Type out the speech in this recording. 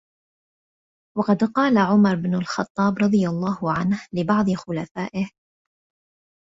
وَقَدْ قَالَ عُمَرُ بْنُ الْخَطَّابِ رَضِيَ اللَّهُ عَنْهُ لِبَعْضِ خُلَفَائِهِ